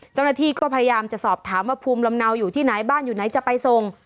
เจ้าหน้าที่ก็พยายามจะสอบถามว่าภูมิลำเนาอยู่ที่ไหนบ้านอยู่ไหนจะไปส่ง